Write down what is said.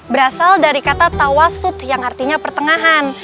berasal dari kata tawasut yang artinya pertengahan